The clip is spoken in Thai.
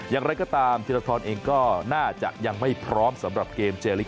อย่างไรก็ตามธีรทรเองก็น่าจะยังไม่พร้อมสำหรับเกมเจลิก